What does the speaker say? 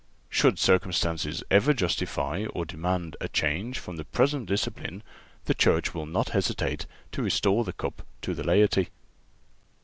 Should circumstances ever justify or demand a change from the present discipline the Church will not hesitate to restore the cup to the laity.